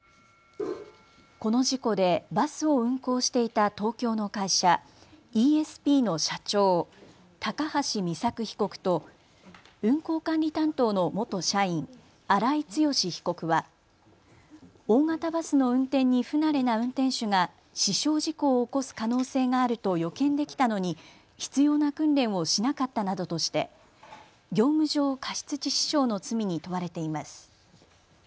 この事故でバスを運行していた東京の会社、イーエスピーの社長、高橋美作被告と運行管理担当の元社員、荒井強被告は大型バスの運転に不慣れな運転手が死傷事故を起こす可能性があると予見できたのに必要な訓練をしなかったなどとして業務上過失致死傷の罪に問われています。